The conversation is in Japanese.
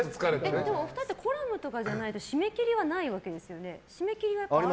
でも、お二人はコラムとかじゃないと締め切りはないわけですよね。